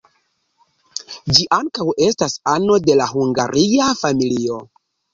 Ĝi ankaŭ estas ano de la Hungaria familio.